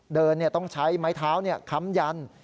ต้องใช้ไม้เท้าค้ำยัน